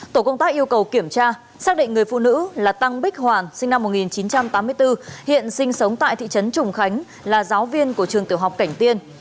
tổ công tác yêu cầu kiểm tra xác định người phụ nữ là tăng bích hoàn sinh năm một nghìn chín trăm tám mươi bốn hiện sinh sống tại thị trấn trùng khánh là giáo viên của trường tiểu học cảnh tiên